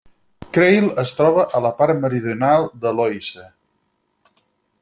Creil es troba a la part meridional de l'Oise.